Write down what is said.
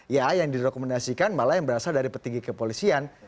ya yang direkomendasikan malah yang berasal dari petinggi kepolisian